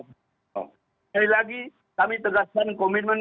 sekali lagi kami tegaskan komitmen